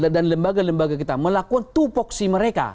dan lembaga lembaga kita melakukan tupuksi mereka